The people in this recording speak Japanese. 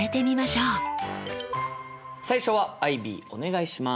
最初はアイビーお願いします。